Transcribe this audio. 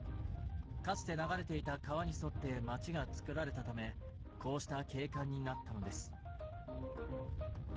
かつて流れていた川に沿って街がつくられたためこうした景観になったのです。